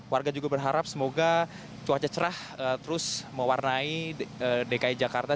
warga juga berharap semoga cuaca cerah terus mewarnai dki jakarta